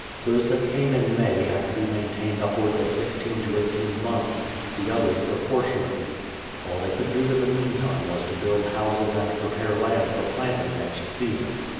Those that came in May had to be maintained upwards of 16 to 18 months; the others proportionately. All they could do in the meantime was to build houses and prepare land for planting next season.